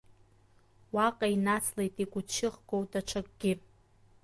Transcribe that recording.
Уаҟа инацлеит игәышьҭыхгоу даҽакгьы.